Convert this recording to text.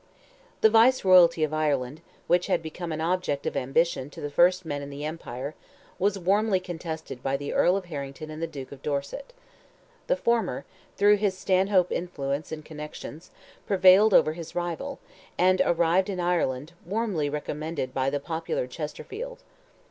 The viceroyalty of Ireland, which had become an object of ambition to the first men in the empire, was warmly contested by the Earl of Harrington and the Duke of Dorset. The former, through his Stanhope influence and connections, prevailed over his rival, and arrived in Ireland, warmly recommended by the popular Chesterfield.